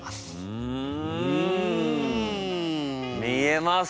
うん見えますね。